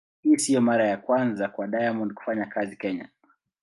Hii sio mara ya kwanza kwa Diamond kufanya kazi Kenya.